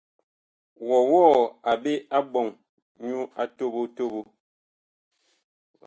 Wɔwɔɔ a ɓe a ɓɔŋ nyu a toɓo toɓo ?